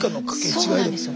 そうなんですよ。